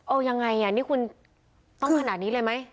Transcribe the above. เอายังไงอ่ะนี่คุณต้องขนาดนี้เลยไหม